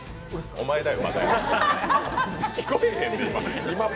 お前だよ。